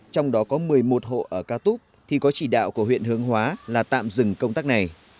trong đó có một mươi một hộ ở ca túc thì có chỉ đạo của huyện hướng hóa là tạm dừng công tác này